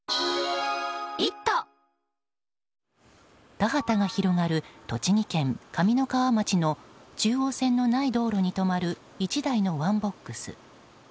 田畑が広がる栃木県上三川町の中央線のない道路に止まる１台のワンボックス。